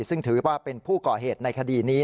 ซึ่งถือว่าเป็นผู้ก่อเหตุในคดีนี้